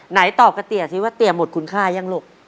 ไหนตอบกับเตี๋ยสิว่าเตี๋ยหมดคุณค่ายังลูก